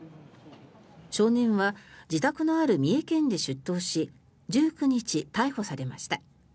少年は自宅のある三重県で出頭し１９日、逮捕されました。